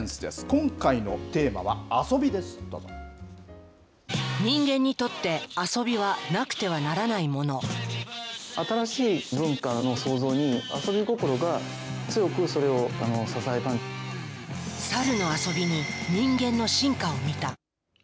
今回のテーマは、遊びです、どう人間にとって遊びはなくては新しい文化の創造に遊び心が猿の遊びに人間の進化を見た。